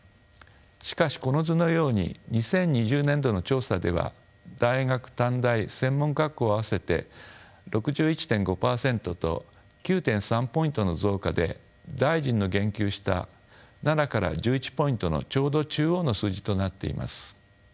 しかしこの図のように２０２０年度の調査では大学短大専門学校を合わせて６１．５％と９．３ポイントの増加で大臣の言及した７から１１ポイントのちょうど中央の数字となっています。